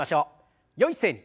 よい姿勢に。